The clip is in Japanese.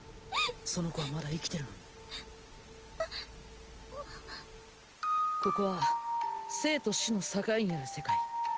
その子はまだ生きてるのにここは生と死の境にある世界